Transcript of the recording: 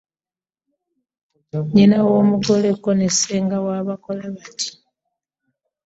Nnyina w’omugole ko ne ssenga wa bakola bati.